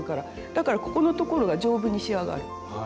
だからここのところが丈夫に仕上がる。